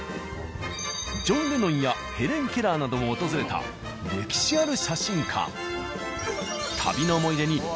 ジョン・レノンやヘレン・ケラーなども訪れた歴史ある写真館。